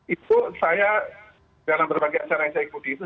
itu saya dalam berbagai acara yang saya ikuti itu